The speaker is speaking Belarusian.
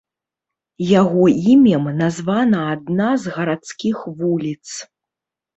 Яго імем названа адна з гарадскіх вуліц.